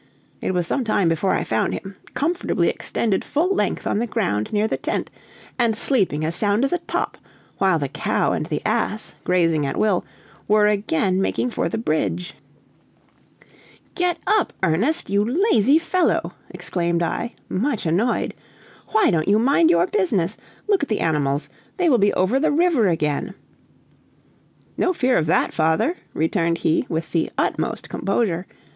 It was some time before I found him, comfortably extended full length on the ground near the tent, and sleeping as sound as a top, while the cow and the ass, grazing at will, were again making for the bridge. "Get up, Ernest, you lazy fellow!" exclaimed I, much annoyed; "why don't you mind your business? Look at the animals! They will be over the river again!" "No fear of that, father," returned he, with the utmost composure.